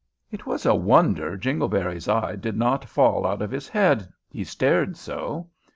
It was a wonder Jingleberry's eyes did not fall out of his head, he stared so.